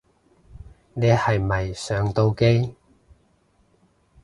你係咪上到機